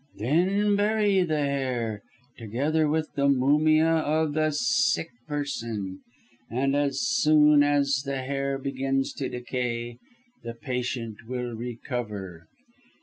Then bury the hare, together with the mumia of the sick person, and as soon as the hare begins to decay, the patient will recover.